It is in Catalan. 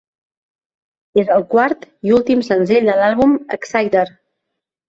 És el quart i últim senzill de l'àlbum "Exciter".